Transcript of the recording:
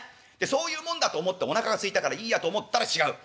そういうもんだと思っておなかがすいたからいいやと思ったら違う。